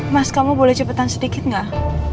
mas kamu boleh cepetan sedikit nggak